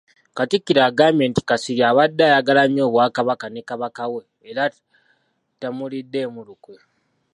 Katikkiro agambye nti Kasirye abadde ayagala nnyo Obwakabaka ne Kabaka we era tamuliddeemu lukwe.